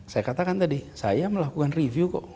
saya katakan tadi saya melakukan review kok